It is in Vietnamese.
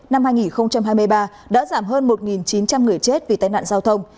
năm hai nghìn hai mươi ba đã giảm hơn một chín trăm linh người chết vì tai nạn giao thông